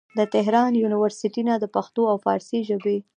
د تهران يونيورسټۍ نه د پښتو او فارسي ژبې